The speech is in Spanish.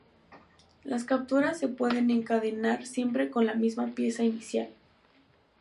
Las capturas se pueden encadenar, siempre con la misma pieza inicial.